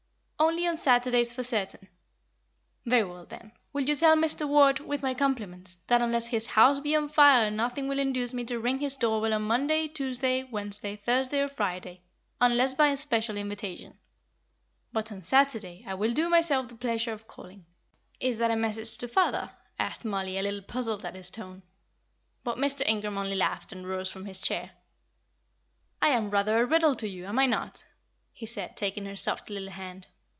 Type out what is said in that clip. "Only on Saturdays for certain." "Very well, then, will you tell Mr. Ward, with my compliments, that unless his house be on fire nothing will induce me to ring his door bell on Monday, Tuesday, Wednesday, Thursday, or Friday, unless by special invitation. But on Saturday I will do myself the pleasure of calling." "Is that a message to father?" asked Mollie, a little puzzled at his tone. But Mr. Ingram only laughed and rose from his chair. "I am rather a riddle to you, am I not?" he said, taking her soft little hand.